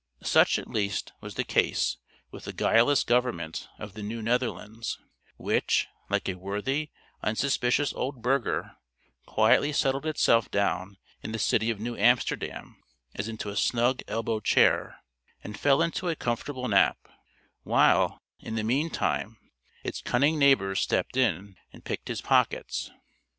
Such, at least, was the case with the guileless government of the New Netherlands; which, like a worthy, unsuspicious old burgher, quietly settled itself down in the city of New Amsterdam as into a snug elbow chair, and fell into a comfortable nap, while, in the meantime, its cunning neighbors stepped in and picked his pockets.